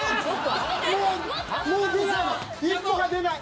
もうもう出ない。